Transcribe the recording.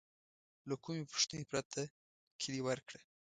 له کومې پوښتنې پرته کیلي ورکړه.